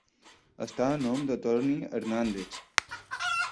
Està a nom de Toni Hernández.